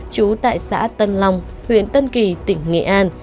trú tại xã tân long huyện tân kỳ tỉnh nghệ an